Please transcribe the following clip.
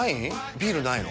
ビールないの？